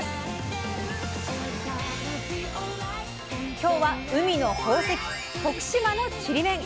今日は海の宝石徳島のちりめん。